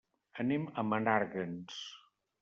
Anem a Menàrguens.